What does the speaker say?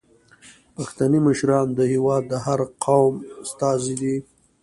پښتني مشران د هیواد د هر قوم استازي دي.